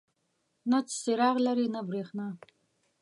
نه څراغ لري نه بریښنا.